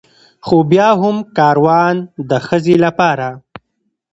خو بيا هم کاروان د ښځې لپاره